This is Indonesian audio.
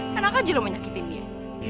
kenapa aja lo mau nyakitin dia